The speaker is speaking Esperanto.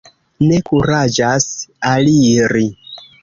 Ne kuraĝas aliri.